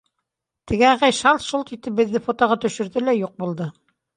Теге ағай шалт-шолт итеп беҙҙе фотоға төшөрҙө лә юҡ булды.